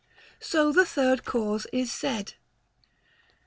So the third cause is said.